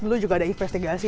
dulu juga ada investigasi